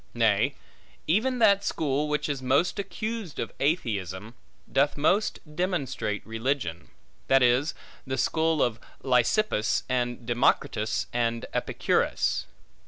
Nay, even that school which is most accused of atheism doth most demonstrate religion; that is, the school of Leucippus and Democritus and Epicurus.